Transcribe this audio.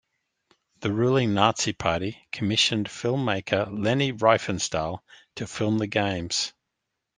The ruling Nazi Party commissioned film-maker Leni Riefenstahl to film the games.